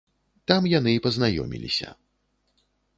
Там яны і пазнаёміліся.